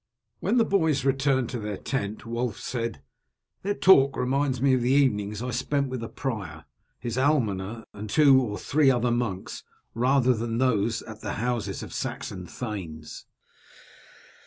When the boys returned to their tent Wulf said, "Their talk reminds me of the evenings I spent with the prior, his almoner, and two or three other monks, rather than of those at the houses of Saxon thanes."